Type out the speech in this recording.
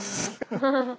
ハハハハ。